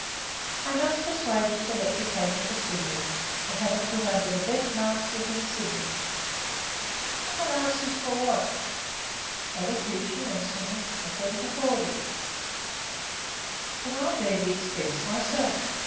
I must persuade you to let me take her to Sydney and have her put under the best masters in Sydney." "Under masters for what?" "Elocution and singing." "I couldn't afford it." "But I'd bear the expense myself.